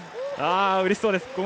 うれしそうです。